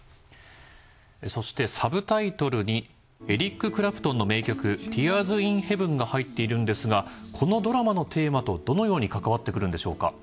そしてサブタイトルにエリック・クラプトンの名曲『ティアーズ・イン・ヘヴン』が入っているんですがこのドラマのテーマとどのように関わってくるんでしょうか。